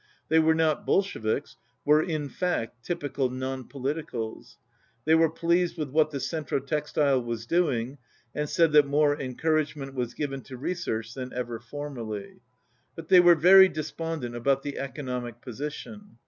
They were not 147 Bolsheviks — were, in fact, typical non politicals. They were pleased with what the Centro Textile was doing, and said that more encouragement was given to research than ever formerly. But they were very despondent about the economic position.